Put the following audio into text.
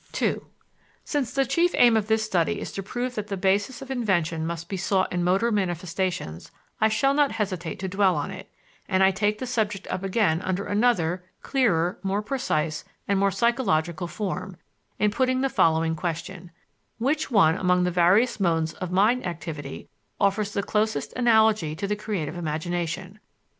II Since the chief aim of this study is to prove that the basis of invention must be sought in motor manifestations, I shall not hesitate to dwell on it, and I take the subject up again under another, clearer, more precise, and more psychological form, in putting the following question: Which one among the various modes of mind activity offers the closest analogy to the creative imagination?